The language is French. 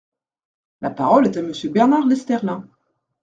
La parole est à Monsieur Bernard Lesterlin.